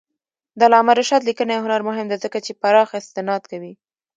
د علامه رشاد لیکنی هنر مهم دی ځکه چې پراخ استناد کوي.